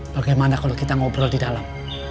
bagaimana kalau kita ngobrol didalam